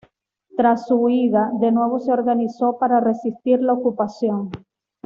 Tras su huida, de nuevo se organizó para resistir la ocupación.